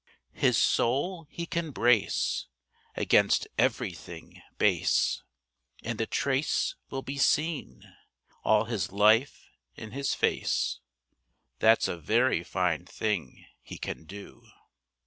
His soul he can brace Against everything base, And the trace will be seen All his life in his face That's a very fine thing he can do.